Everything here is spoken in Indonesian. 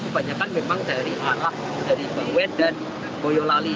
kebanyakan memang dari arah dari bawen dan boyolali